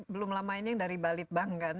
belum lama ini yang dari balitbank kan